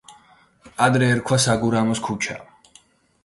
ადრე ერქვა საგურამოს ქუჩა.